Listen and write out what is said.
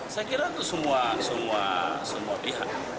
saya kira itu semua semua semua pihak